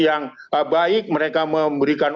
yang baik mereka memberikan